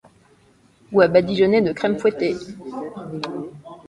Ou à badigeonner de crème fouettée.